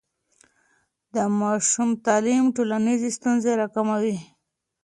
د ماشوم تعلیم ټولنیزې ستونزې راکموي.